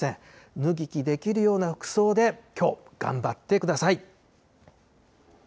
脱ぎ着できるような服装できょう、頑張ってください。